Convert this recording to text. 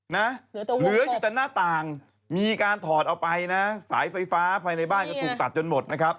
เหลืออยู่แต่หน้าต่างมีการถอดเอาไปนะสายไฟฟ้าภายในบ้านก็ถูกตัดจนหมดนะครับ